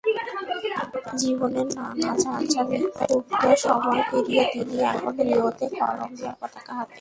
জীবনের নানা ঝঞ্ঝাবিক্ষুব্ধ সময় পেরিয়ে তিনি এখন রিওতে, কলম্বিয়ার পতাকা হাতে।